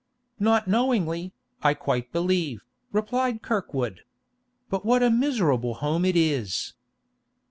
'Not knowingly, I quite believe,' replied Kirkwood. 'But what a miserable home it is!